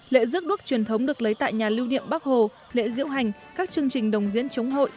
lễ rước đuốc truyền thống được lấy tại nhà lưu niệm bắc hồ lễ diễu hành các chương trình đồng diễn chống hội